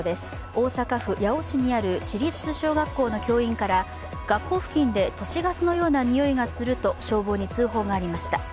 大阪府八尾市にある市立小学校の教員から学校付近で都市ガスのような臭いがすると消防に通報がありました。